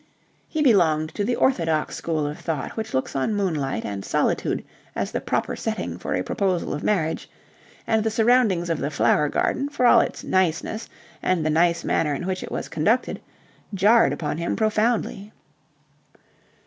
He belonged to the orthodox school of thought which looks on moonlight and solitude as the proper setting for a proposal of marriage; and the surroundings of the Flower Garden, for all its nice ness and the nice manner in which it was conducted, jarred upon him profoundly.